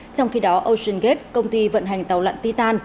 trong khi đó oceangate công ty vận hành tàu lặn titan